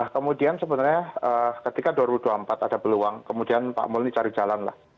kemudian sebenarnya ketika dua ribu dua puluh empat ada peluang kemudian pak mul ini cari jalan lah